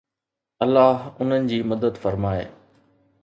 الله انهن جي مدد فرمائي